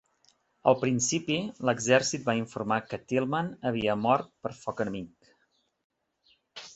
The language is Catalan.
Al principi, l'Exèrcit va informar que Tillman havia mort per foc enemic.